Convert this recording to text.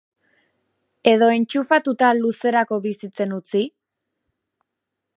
Edo entxufatuta luzerako bizitzen utzi?